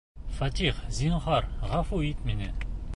Фәтих, зинһар, ғәфү ит мине!..